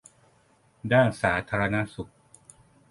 ด้านสาธารณสุข